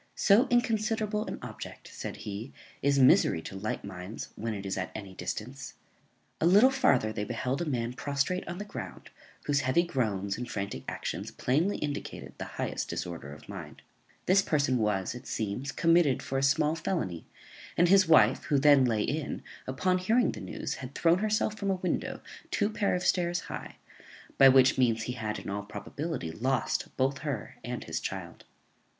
So inconsiderable an object, said he, is misery to light minds, when it is at any distance. A little farther they beheld a man prostrate on the ground, whose heavy groans and frantic actions plainly indicated the highest disorder of mind. This person was, it seems, committed for a small felony; and his wife, who then lay in, upon hearing the news, had thrown herself from a window two pair of stairs high, by which means he had, in all probability, lost both her and his child.